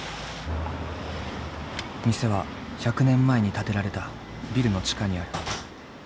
店は１００年前に建てられたビルの地下にある。